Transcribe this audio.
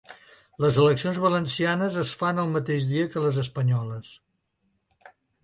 Les eleccions valencianes es fan el mateix dia que les espanyoles.